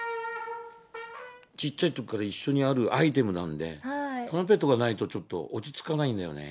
ちっちゃいときから一緒にあるアイテムなんで、トランペットがないと、ちょっと落ち着かないんだよね。